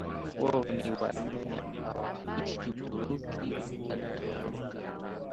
wao ni Waarmenia ambao wanaoishi Uturuki walitoroka